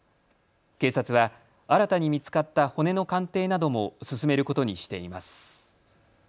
警察は新たに見つかった骨の鑑定なども進めることにしています。